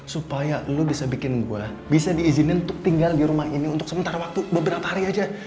supaya lo bisa bikin buah bisa diizinin untuk tinggal di rumah ini untuk sementara waktu beberapa hari aja